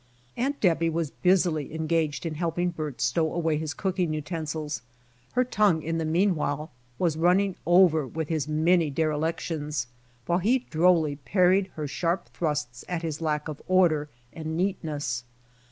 Aunt Debby was busily engaged in helping Bert stow away his cooking utensils. Her tongue in the mean while was running over with his many derelictions, while he drolly parried her sharp thrusts at his lack of order and neatness.